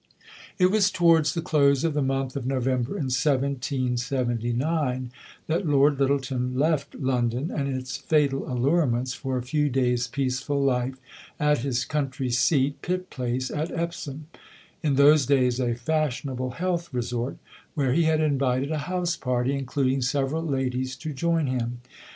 It was towards the close of the month of November, in 1779, that Lord Lyttelton left London and its fatal allurements for a few days' peaceful life at his country seat, Pit Place, at Epsom (in those days a fashionable health resort), where he had invited a house party, including several ladies, to join him.